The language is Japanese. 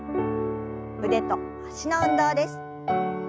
腕と脚の運動です。